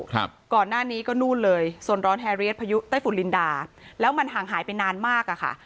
ก่อนหน้านี้ก็นู่นเลยส่วนร้อนแฮเรียสพายุไต้ฝุ่นลินดาแล้วมันห่างหายไปนานมากอ่ะค่ะ